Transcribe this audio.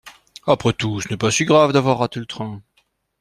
Après tout, ce n'est pas si grave d'avoir râté le train.